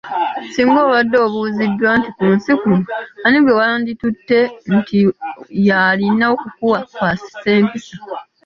Singa obadde obuuziddwa nti ku nsi kuno, ani gwe wanditutte nti y'alina okukukwasisa empisa.